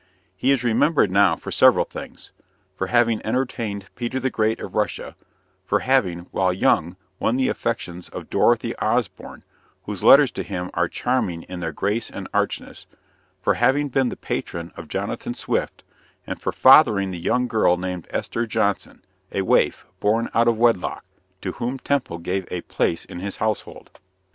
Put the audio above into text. He is remembered now for several things for having entertained Peter the Great of Russia; for having, while young, won the affections of Dorothy Osborne, whose letters to him are charming in their grace and archness; for having been the patron of Jonathan Swift; and for fathering the young girl named Esther Johnson, a waif, born out of wedlock, to whom Temple gave a place in his household.